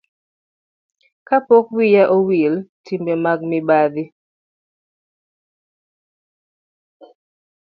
Ka pok wiya owil, timbe mag mibadhi